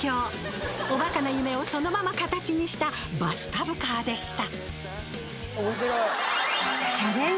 おバカな夢をそのまま形にしたバスタブカーでした。